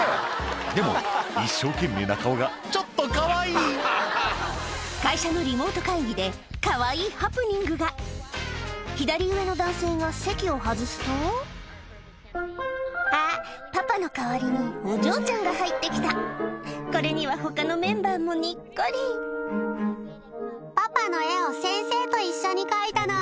でも一生懸命な顔がちょっとかわいい会社のリモート会議でかわいいハプニングが左上の男性が席を外すとあっパパの代わりにお嬢ちゃんが入ってきたこれには他のメンバーもニッコリこれだよ！